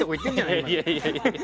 いやいやいやいや。